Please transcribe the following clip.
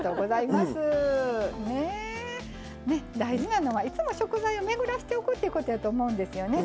大事なのはいつも食材を巡らせておくということやと思うんですよね。